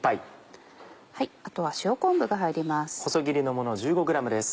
あとは塩昆布が入ります。